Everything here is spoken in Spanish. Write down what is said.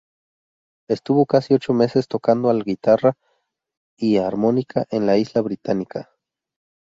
Estuvo casi ocho meses tocando al guitarra y armónica en la isla británica.